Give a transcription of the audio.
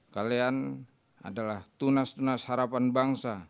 kalian adalah tunas tunas harapan bangsa